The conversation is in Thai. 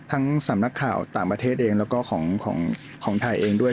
สำนักข่าวต่างประเทศเองแล้วก็ของไทยเองด้วย